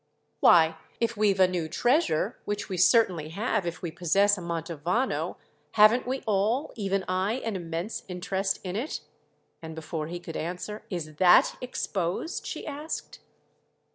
"Why, if we've a new treasure—which we certainly have if we possess a Mantovano—haven't we all, even I, an immense interest in it?" And before he could answer, "Is that exposed?" she asked.